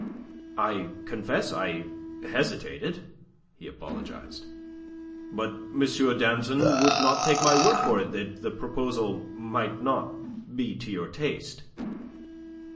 "I confess I hesitated," he apologized. "But M. Danton would not take my word for it that the proposal might not be to your taste."